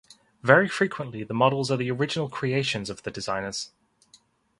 Very frequently the models are the original creations of the designers.